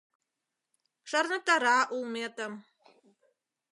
Шарныктара улметым.